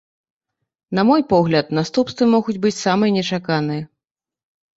На мой погляд, наступствы могуць самыя нечаканыя.